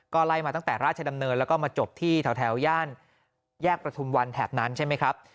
ก็ไล่มาตั้งแต่ราชดำเนินแล้วก็มาจบที่แถวย่านแยกประทุมวันแถบนั้นใช่ไหมครับ